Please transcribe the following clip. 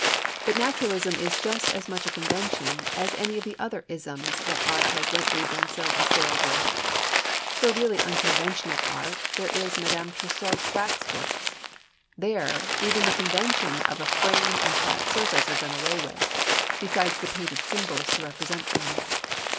But naturalism is just as much a convention as any of the other isms that art has lately been so assailed with. For a really unconventional art there is Madame Tussaud's Waxworks. There, even the convention of a frame and flat surface are done away with, besides the painted symbols to represent things.